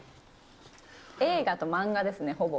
映画と漫画ですね、ほぼ。